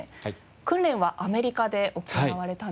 訓練はアメリカで行われたんですよね。